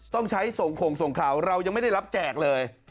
ต้องใช้ส่งคงส่งข่าวเรายังไม่ได้รับแจกเลย